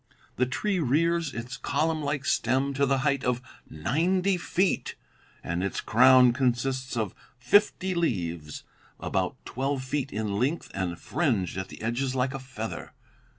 The tree rears its column like stem to the height of ninety feet, and its crown consists of fifty leaves about twelve feet in length and fringed at the edges like a feather.